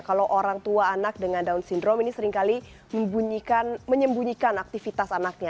kalau orang tua anak dengan down syndrome ini seringkali menyembunyikan aktivitas anaknya